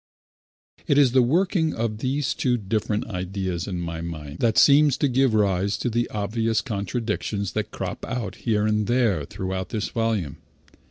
It is the working of these two different ideas in my mind that seems to give rise to the obvious contradictions that crop out here and there throughout this volume.